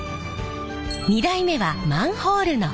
２代目はマンホールの蓋。